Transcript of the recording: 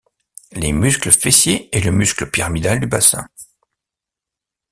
Les muscles fessiers et le muscle pyramidal du bassin.